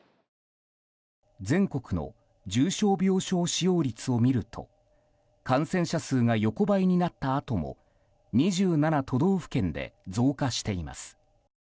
全国の重症病床使用率を見ると感染者数が横ばいになったあとも２７都道府県で増加しています。